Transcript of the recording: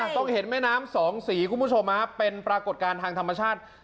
ต้องเห็นแม่น้ำสองสีคุณผู้ชมเป็นปรากฏการณ์ทางธรรมชาติ